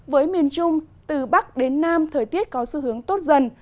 với miền trung từ bắc đến nam thời tiết có xu hướng tốt dần